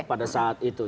pada saat itu